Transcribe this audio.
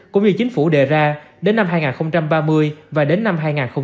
cũng như chính phủ đề ra đến năm hai nghìn ba mươi và đến năm hai nghìn năm mươi